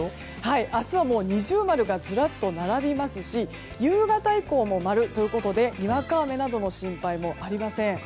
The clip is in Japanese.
明日は二重丸がずらっと並びますし夕方以降も丸ということでにわか雨などの心配もありません。